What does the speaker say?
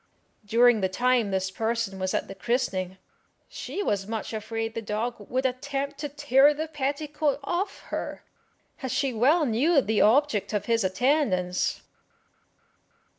During the time this person was at the christening she was much afraid the dog would attempt to tear the petticoat off her, as she well knew the object of his attendance.